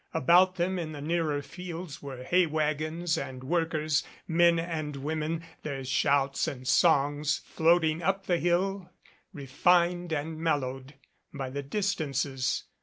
About them in the nearer fields were hay wagons and workers, men and women, their shouts and songs floating up the hill refined and mellowed by the distances.